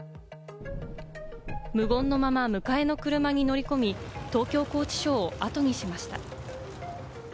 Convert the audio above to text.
無言のまま迎えの車に乗り込み、東京拘置所をあとにしました。